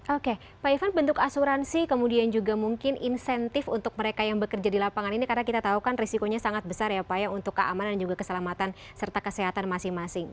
oke pak ivan bentuk asuransi kemudian juga mungkin insentif untuk mereka yang bekerja di lapangan ini karena kita tahu kan risikonya sangat besar ya pak ya untuk keamanan juga keselamatan serta kesehatan masing masing